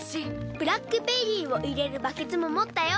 ブラックベリーを入れるバケツも持ったよ。